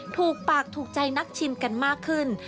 ถูกปากถูกใจนักชิมกันมากขึ้น